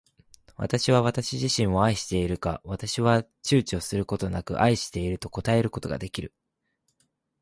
私は私自身を愛しているか。私は躊躇ちゅうちょすることなく愛していると答えることが出来る。